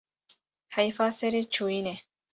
Heyfa serê çûyînê